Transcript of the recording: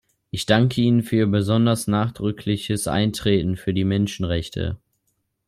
Ich danke Ihnen für Ihr besonders nachdrückliches Eintreten für die Menschenrechte.